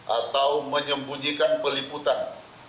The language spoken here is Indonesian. atau menyembunyikan peliputan